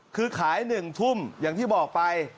คือขาย๑ทุ่มอย่างที่บอกไป